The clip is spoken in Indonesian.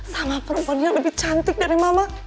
sama perempuan yang lebih cantik dari mama